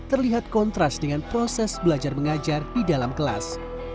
terlihat kontras dengan proses belajar mengajar di dalam kelas